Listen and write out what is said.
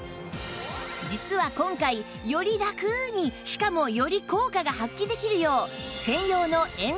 実は今回よりラクにしかもより効果が発揮できるよう